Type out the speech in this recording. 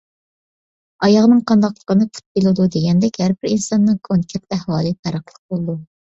«ئاياغنىڭ قانداقلىقىنى پۇت بىلىدۇ» دېگەندەك، ھەربىر ئىنساننىڭ كونكرېت ئەھۋالى پەرقلىق بولىدۇ.